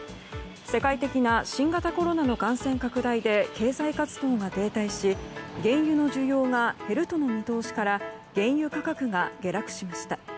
世界的な新型コロナの感染拡大で経済活動が停滞し原油の需要が減るとの見通しから原油価格が下落しました。